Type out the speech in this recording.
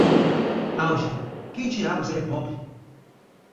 Alja, quem diabos é Bob?